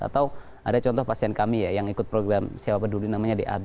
atau ada contoh pasien kami ya yang ikut program siapa peduli namanya dab